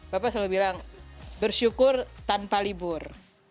bapak selalu bilang bersyukur tanpa libur